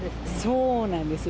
そうなんですよ。